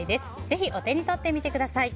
ぜひ、お手に取ってみてください。